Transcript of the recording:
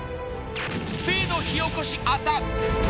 スピード火おこしアタック！